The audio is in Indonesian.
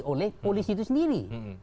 oleh polisi itu sendiri